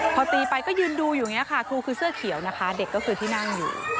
พอตีไปก็ยืนดูอยู่อย่างนี้ค่ะครูคือเสื้อเขียวนะคะเด็กก็คือที่นั่งอยู่